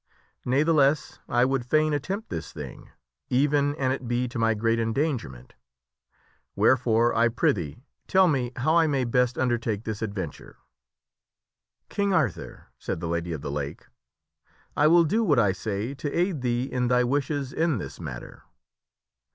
Ne'theless, I would fain attempt this thing, even an it be to my great endangerment. Wherefore, I prithee tell me how I may best undertake this adventure." " King Arthur," said the Lady of the Lake, " I will do what I say to aid thee in thy wishes in this matter."